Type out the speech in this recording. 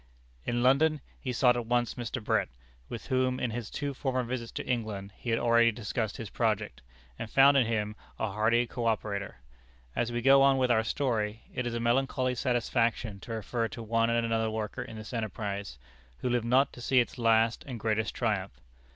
In London he sought at once Mr. Brett, with whom in his two former visits to England he had already discussed his project, and found in him a hearty coöperator. As we go on with our story, it is a melancholy satisfaction to refer to one and another worker in this enterprise, who lived not to see its last and greatest triumph.